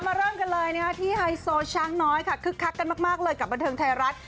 เริ่มกันเลยที่ไฮโซช้างน้อยค่ะคึกคักกันมากเลยกับบันเทิงไทยรัฐ